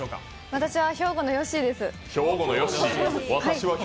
私は兵庫のヨッシーです。